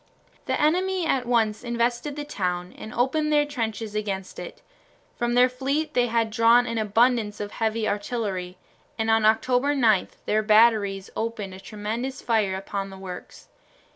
The enemy at once invested the town and opened their trenches against it. From their fleet they had drawn an abundance of heavy artillery, and on October 9 their batteries opened a tremendous fire upon the works.